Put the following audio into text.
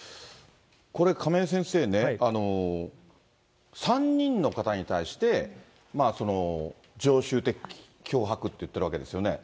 これ、亀井先生ね、３人の方に対して、常習的脅迫っていってるわけですよね。